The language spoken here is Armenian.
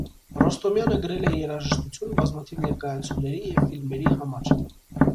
Ռոստոմյանը գրել է երաժշտություն բազմաթիվ ներկայացումների և ֆիլմերի համար։